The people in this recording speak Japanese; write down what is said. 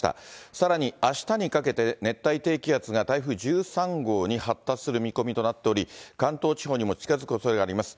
さらにあしたにかけて、熱帯低気圧が台風１３号に発達する見込みとなっており、関東地方にも近づくおそれがあります。